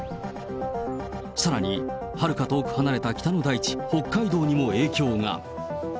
さらに、はるか遠く離れた北の大地、北海道にも影響が。